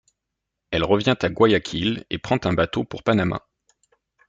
Elle revient à Guayaquil et prend un bateau pour Panama.